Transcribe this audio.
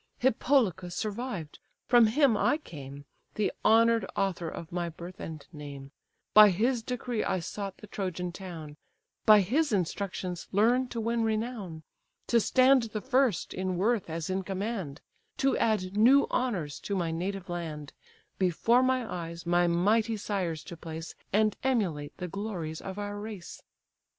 Hippolochus survived: from him I came, The honour'd author of my birth and name; By his decree I sought the Trojan town; By his instructions learn to win renown, To stand the first in worth as in command, To add new honours to my native land, Before my eyes my mighty sires to place, And emulate the glories of our race."